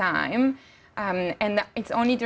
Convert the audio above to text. hanya pada waktu sehari